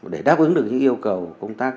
để đáp ứng được những yêu cầu công tác